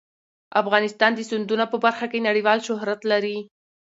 افغانستان د سیندونه په برخه کې نړیوال شهرت لري.